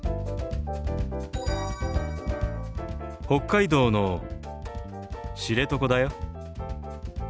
北海道の知床だよ。